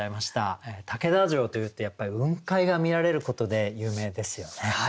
竹田城というとやっぱり雲海が見られることで有名ですよね。